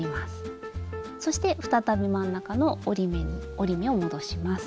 そして再び真ん中の折り目を戻します。